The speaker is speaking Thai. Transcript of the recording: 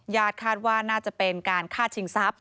คาดว่าน่าจะเป็นการฆ่าชิงทรัพย